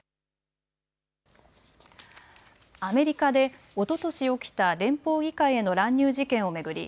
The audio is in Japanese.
アメリカでおととし起きた連邦議会への乱入事件を巡り